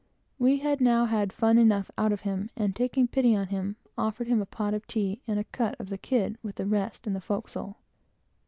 We had now had fun enough out of him, and taking pity on him, offered him a pot of tea, and a cut at the kid, with the rest, in the forecastle.